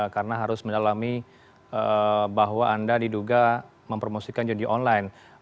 karena harus mendalami bahwa anda diduga mempromosikan judi online